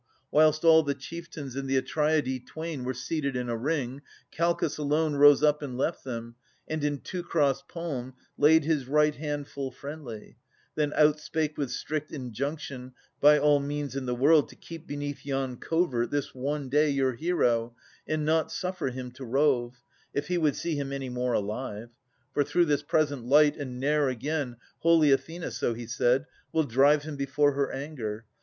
Whilst all the chieftains and the Atreidae twain Were seated in a ring, Calchas alone Rose up and left them, and in Teucer's palm Laid his right hand full friendly; then out spake With strict injunction by all means i' the world To keep beneath yon covert this one day Your hero, and not suffer him to rove, If he would see him any more alive. For through this present light — and ne'er again — Holy Athena, so he said, will drive him Before her anger.